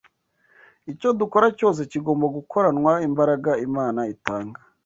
Icyo dukora cyose kigomba gukoranwa imbaraga Imana itanga